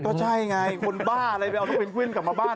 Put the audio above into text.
ก็ใช่ไงคนบ้าอะไรไปเอาน้องเพนกวินกลับมาบ้าน